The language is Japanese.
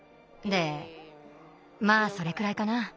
でまあそれくらいかな。